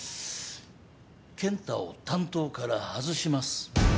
健太を担当から外します。